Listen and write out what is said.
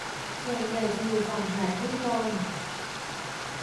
ส่วนใหญ่จะอยู่ฝั่งหาดลูกลม